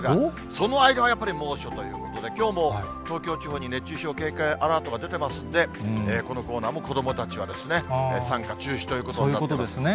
その間はやっぱり猛暑ということで、きょうも東京地方に熱中症警戒アラートが出てますんで、このコーナーも子どもたちは参加中止ということになっています。